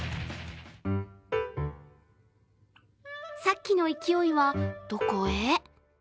さっきの勢いはどこへ？